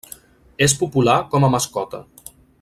És popular com a mascota.